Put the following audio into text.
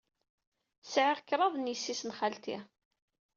Sɛiɣ kraḍt n yessi-s n xalti.